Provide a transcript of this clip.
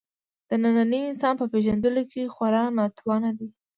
د ننني انسان په پېژندلو کې خورا ناتوانه دی.